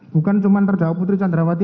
bukan cuma terdakwa putri candrawati